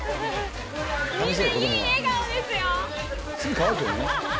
みんないい笑顔ですよ。